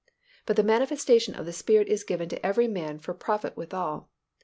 But the manifestation of the Spirit is given to every man to profit withal.